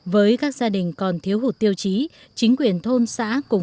với các gia đình còn thiếu hụt tiêu chí chính quyền thôn xã cùng vận chuyển